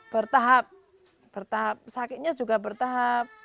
bertahap sakitnya juga bertahap